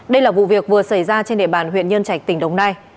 đây là vụ việc vừa xảy ra trên địa bàn huyện nhân trạch tỉnh đồng nai